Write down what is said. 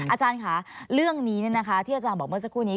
อาจารย์ค่ะเรื่องนี้ที่อาจารย์บอกเมื่อสักครู่นี้